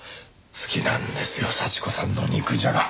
好きなんですよ幸子さんの肉じゃが！